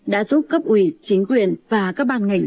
đã giúp cấp ủy chính quyền và các ban ngành